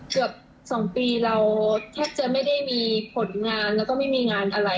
เกือบ๒ปีเราแทบจะไม่ได้มีผลงานแล้วก็ไม่มีงานอะไร